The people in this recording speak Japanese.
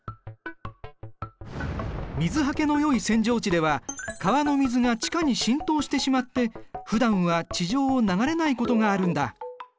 水はけのよい扇状地では川の水が地下に浸透してしまって普段は地上を流れないことがあるんだ。